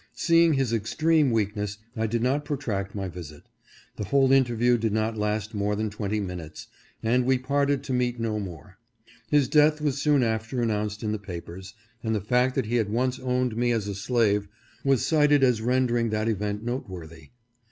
Seeing his extreme weakness I did not protract my visit. The whole interview did not last more than twenty minutes, and we parted to meet no more. His death was soon after announced in the papers, and the fact that he had once owned me as a slave was cited as rendering that event noteworthy.